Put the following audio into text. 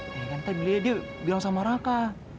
kayaknya kan tadi beliau dia bilang sama raka